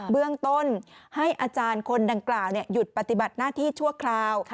เบื้องต้นให้อาจารย์คนดังกล่าวหยุดปฏิบัติหน้าที่ชั่วคราว